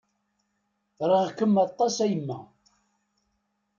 Riɣ-kem aṭas a yemma!